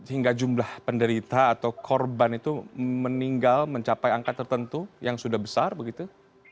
hingga jumlah penderita atau korban itu meninggal mencapai angka tertentu yang sudah besar begitu